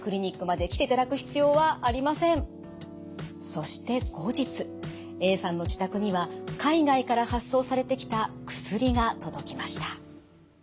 そして後日Ａさんの自宅には海外から発送されてきた薬が届きました。